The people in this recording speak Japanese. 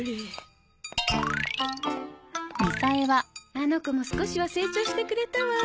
あの子も少しは成長してくれたわ。